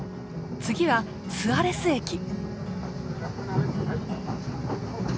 次はスアレス駅。